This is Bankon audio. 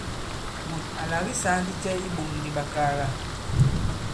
Mùt à làke saa ndi cɛ i iɓōŋ di ɓakaala ?